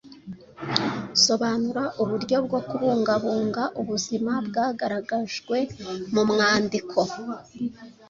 Sobanura uburyo bwo kubungabunga ubuzima bwagaragajwe mu mwandiko.